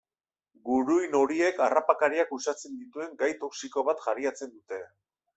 Guruin horiek harrapakariak uxatzen dituen gai toxiko bat jariatzen dute.